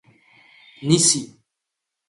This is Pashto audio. نیسي